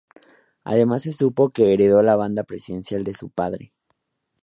Además se supo que heredó la banda presidencial de su padre.